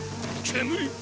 煙⁉！